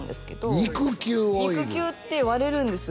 肉球って割れるんですよ